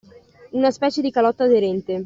Una specie di calotta aderente